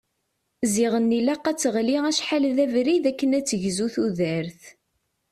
Ziɣen ilaq ad teɣli acḥal d abrid akken ad tegzu tudert.